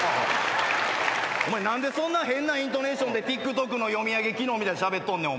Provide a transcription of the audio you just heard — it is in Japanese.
お前何でそんな変なイントネーションでＴｉｋＴｏｋの読み上げ機能みたいにしゃべっとんねん。